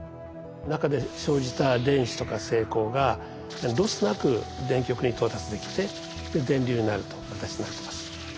中で生じた電子とか正孔がロスなく電極に到達できて電流になるという形になってます。